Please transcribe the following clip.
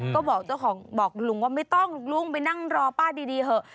ก็บอกเจ้าของบอกลุงว่าไม่ต้องลุงไปนั่งรอป้าดีเถอะ